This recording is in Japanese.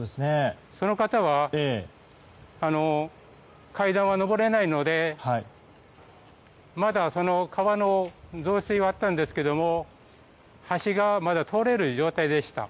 その方は階段は上れないのでまだ川の増水はあったんですけど橋がまだ通れる状態でした。